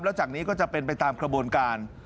แล้วจากนี้ก็จะเป็นไปตามกระบวนการ